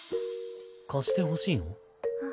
貸してほしいの？